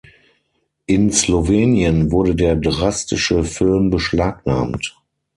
In Slowenien wurde der drastische Film beschlagnahmt.